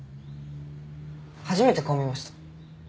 初めて顔見ました。